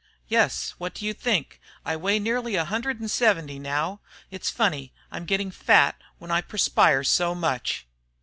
"Yes, what do you think? I weigh nearly a hundred and seventy now. It's funny I'm getting fat, when I perspire so much."